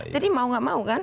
jadi mau gak mau kan